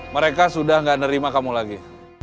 mereka sudah gak nerima kamu lagi